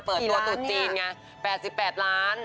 เปิดตัวตุจจีนไงแปดสิบแปดล้าน